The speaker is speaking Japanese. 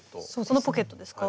このポケットですか？